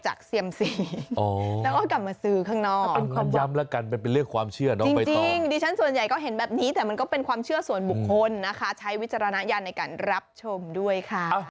ใช้วิจารณญาณในการรับชมด้วยค่ะ